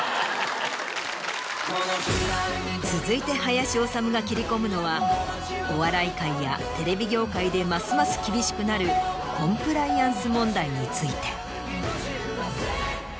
続いて林修が切り込むのはお笑い界やテレビ業界でますます厳しくなるコンプライアンス問題について。